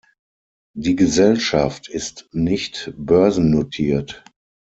Die Gesellschaft ist nicht börsennotiert.